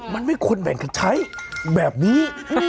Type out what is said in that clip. มันไม่ควรแบ่งกันใช้แบบนี้